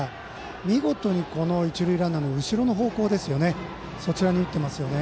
見事に一塁ランナーの後ろの方向そちらに打っていますね。